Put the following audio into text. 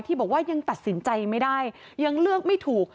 บอกว่ายังตัดสินใจไม่ได้ยังเลือกไม่ถูก